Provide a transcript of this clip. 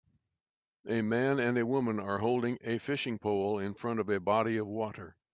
A man and woman are holding a fishing pole in front of a body of water